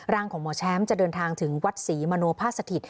ของหมอแชมป์จะเดินทางถึงวัดศรีมโนภาคสถิต